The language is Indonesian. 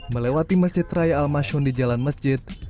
melewati masjid raya al masyun di jalan masjid